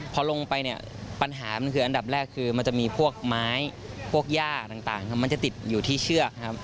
พอลงไปเนี่ยปัญหามันคืออันดับแรกคือมันจะมีพวกไม้พวกย่าต่างมันจะติดอยู่ที่เชือกครับ